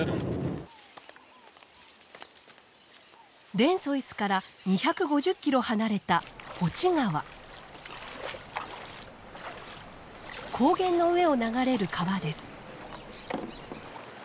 レンソイスから２５０ｋｍ離れた高原の上を流れる川です。